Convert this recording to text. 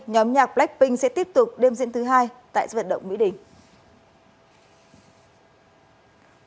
hình sẽ tiếp tục đêm diễn thứ hai tại vận động mỹ đình